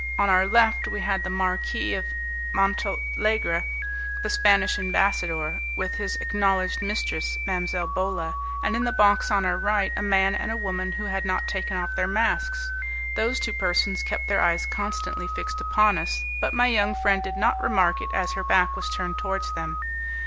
On our left we had the Marquis of Montalegre, the Spanish ambassador, with his acknowledged mistress, Mdlle. Bola, and in the box on our right a man and a woman who had not taken off their masks. Those two persons kept their eyes constantly fixed upon us, but my young friend did not remark it as her back was turned towards them.